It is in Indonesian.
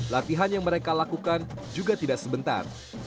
latihan yang mereka lakukan juga tidak sebentar